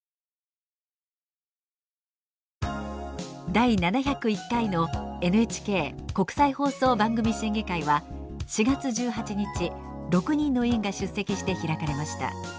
第７０１回のＮＨＫ国際放送番組審議会は４月１８日６人の委員が出席して開かれました。